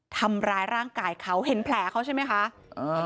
ทำร้ายร่างกายเขาเห็นแผลเขาใช่ไหมคะอ่า